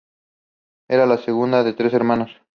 Era el segundo de tres hermanos.